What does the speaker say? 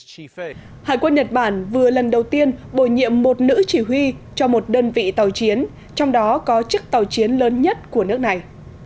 hải quân nhật bản vừa lần đầu tiên bổ nhiệm một nữ chỉ huy cho một đơn vị tàu chiến trong đó có chiếc tàu chiến lớn nhất của nước này